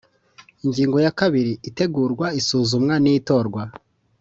Ingingo ya kabiri Itegurwa isuzumwa n itorwa